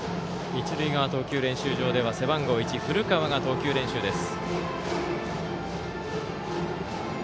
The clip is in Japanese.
一塁側、投球練習場では背番号１、古川が投球練習中です。